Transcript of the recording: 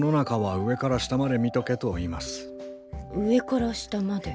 上から下まで。